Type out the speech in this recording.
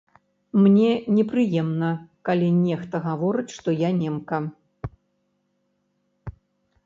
Мне непрыемна, калі нехта гаворыць, што я немка.